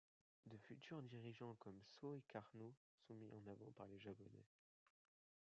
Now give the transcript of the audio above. De futurs dirigeants comme Soekarno sont mis en avant par les Japonais.